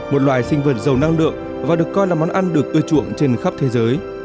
một loài sinh vật giàu năng lượng và được coi là món ăn được ưa chuộng trên khắp thế giới